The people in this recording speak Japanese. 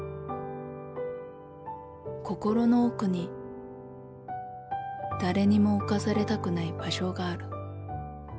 心の奥に誰にも侵されたくない場所がある。